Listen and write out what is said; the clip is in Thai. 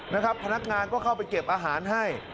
นะครับพนักงานก็เข้าไปเก็บอาหารให้